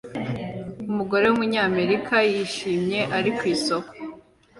Umugore wumunyamerika wishimye ari ku isoko